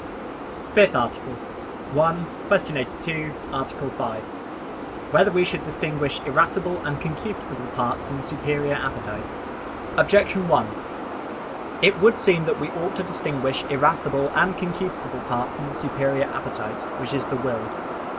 _______________________ FIFTH ARTICLE [I, Q. 82, Art. 5] Whether We Should Distinguish Irascible and Concupiscible Parts in the Superior Appetite? Objection 1: It would seem that we ought to distinguish irascible and concupiscible parts in the superior appetite, which is the will.